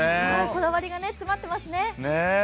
こだわりが詰まってますね。